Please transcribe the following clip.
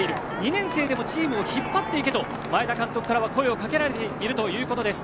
２年生でもチームを引っ張っていけと前田監督からは声をかけられているということです。